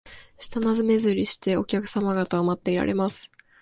舌なめずりして、お客さま方を待っていられます